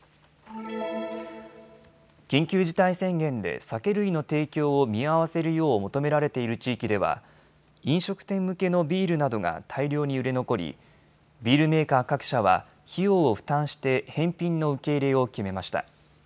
緊急事態宣言で酒類の提供を見合わせるよう求められている地域では飲食店向けのビールなどが大量に売れ残りビールメーカー各社は費用を負担して返品の受け入れを決めました。